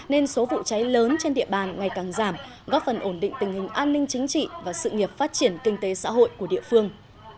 nên số vụ cháy lớn trên địa bàn ngày càng giảm góp phần ổn định tình hình an ninh chính trị và sự nghiệp phát triển kinh tế xã hội của địa phương